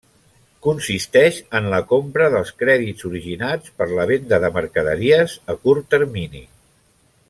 Consisteix en la compra dels crèdits originats per la venda de mercaderies a curt termini.